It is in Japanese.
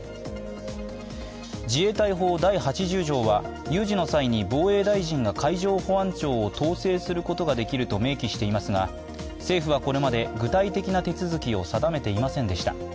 自衛隊法第８０条は有事の際に防衛大臣が海上保安庁を統制することができると明記していますが、政府はこれまで具体的な手続きを定めていませんでした。